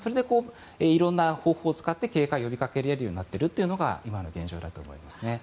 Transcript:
いろんな方法を使って警戒を呼びかけられるようになっているのが今の現状です。